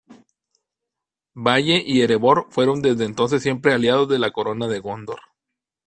Valle y Erebor fueron desde entonces siempre aliados de la corona de Gondor.